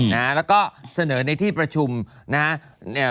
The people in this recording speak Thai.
นะฮะแล้วก็เสนอในที่ประชุมนะฮะ